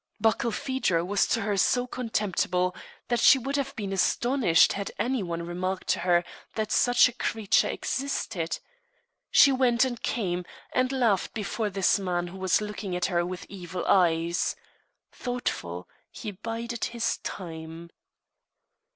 Barkilphedro was to her so contemptible that she would have been astonished had any one remarked to her that such a creature existed. She went, and came, and laughed before this man who was looking at her with evil eyes. Thoughtful, he bided his time.